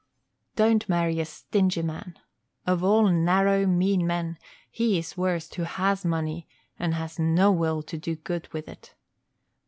Don't marry a stingy man; of all narrow, mean men, he is worst who has money, and has no will to do good with it.